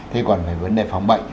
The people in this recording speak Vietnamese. thế còn về vấn đề phòng bệnh